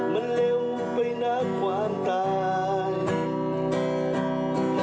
มันเร็วไปนะความตาย